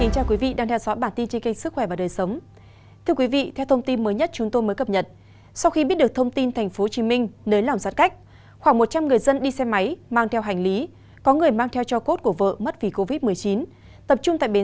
các bạn hãy đăng ký kênh để ủng hộ kênh của chúng mình nhé